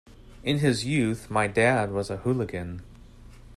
In his youth my dad was a hooligan.